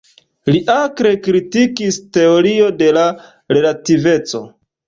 Li akre kritikis teorio de la relativeco.